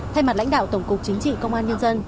thay mặt lãnh đạo tổng cục chính trị công an nhân dân